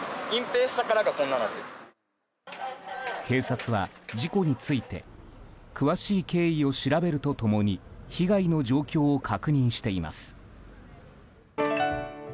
警察は事故について詳しい経緯を調べると共に被害の状況を確認しています。